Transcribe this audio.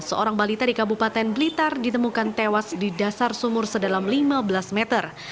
seorang balita di kabupaten blitar ditemukan tewas di dasar sumur sedalam lima belas meter